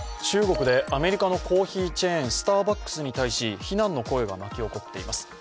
中国でアメリカのコーヒーチェーン、スターバックスに対し非難の声が巻き起こっています。